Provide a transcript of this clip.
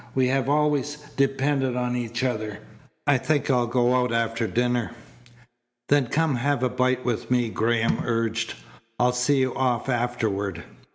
We have always depended on each other. I think I'll go out after dinner." "Then come have a bite with me," Graham urged. "I'll see you off afterward.